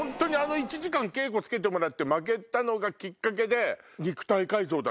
１時間稽古つけてもらって負けたのがきっかけで。